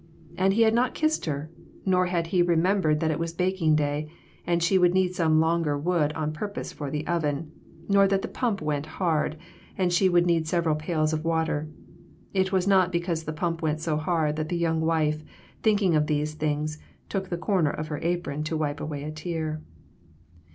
And he had not kissed her; nor had he remem bered that it was baking day, and she would need some longer wood on purpose for the oven ; nor that the pump went hard, and she would need several pails of water. It was not because the pump went so hard that the young wife, thinking of these things, took the corner of her apron to wipe away a tear.